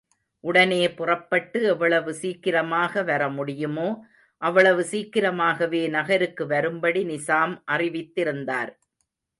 உடனே புறப்பட்டு எவ்வளவு சீக்கிரமாக வரமுடியுமோ அவ்வளவு சீக்கிரமாகவே நகருக்கு வரும்படி நிசாம் அறிவித்திருந்தார்.